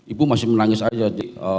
ibu masih menangis aja di atas